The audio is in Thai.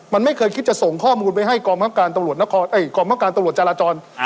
มันไม่เคยคิดจะส่งข้อมูลไปให้กรมฮักการตรวจจารจร